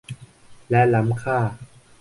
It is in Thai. และล้ำค่า